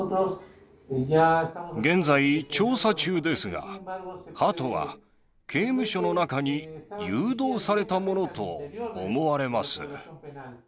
現在、調査中ですが、ハトは刑務所の中に誘導されたものと思われます。